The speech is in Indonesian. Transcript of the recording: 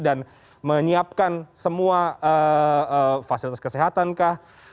dan menyiapkan semua fasilitas kesehatan kah